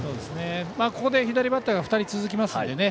ここで左バッターが２人続きますのでね。